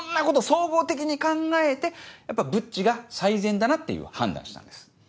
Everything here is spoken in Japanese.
総合的に考えてやっぱブッチが最善だなっていう判断したんです。